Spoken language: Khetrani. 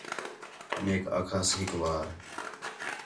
میک آکھاس ہِک وار